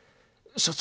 所長